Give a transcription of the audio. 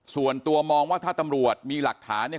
ส่วนตัวมองว่าถ้าตำรวจมีหลักฐานเนี่ย